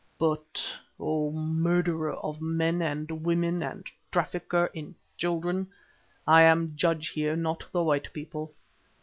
But, O murderer of men and women and trafficker in children, I am judge here, not the white people.